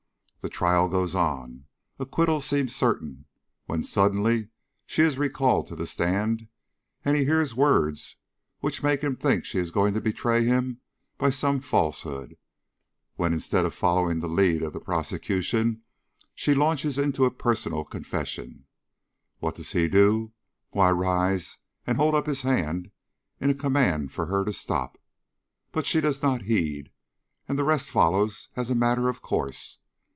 The trial goes on; acquittal seems certain, when suddenly she is recalled to the stand, and he hears words which make him think she is going to betray him by some falsehood, when, instead of following the lead of the prosecution, she launches into a personal confession. What does he do? Why, rise and hold up his hand in a command for her to stop. But she does not heed, and the rest follows as a matter of course.